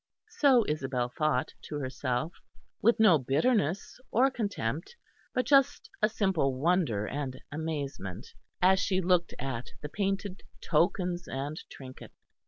So Isabel thought to herself, with no bitterness or contempt, but just a simple wonder and amazement, as she looked at the painted tokens and trinkets.